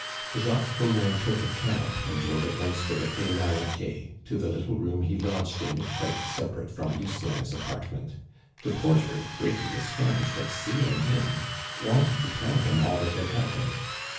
Jacques Collin took a cab and drove at once to the Quai Malaquais, to the little room he lodged in, quite separate from Lucien's apartment. The porter, greatly astonished at seeing him, wanted to tell him all that had happened.